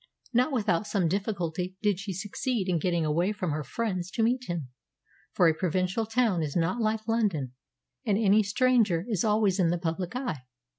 Not without some difficulty did she succeed in getting away from her friends to meet him, for a provincial town is not like London, and any stranger is always in the public eye.